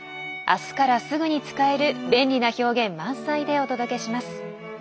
明日からすぐに使える便利な表現満載でお届けします。